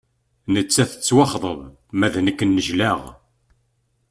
Nettat tettwaxḍeb ma d nek nejlaɣ.